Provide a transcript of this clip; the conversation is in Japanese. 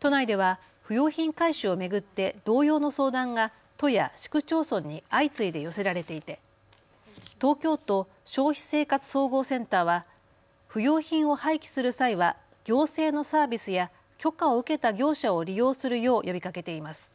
都内では不用品回収を巡って同様の相談が都や市区町村に相次いで寄せられていて東京都消費生活総合センターは不用品を廃棄する際は行政のサービスや許可を受けた業者を利用するよう呼びかけています。